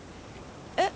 えっ？